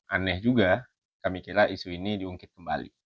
aneh juga kami kira isu ini diungkit kembali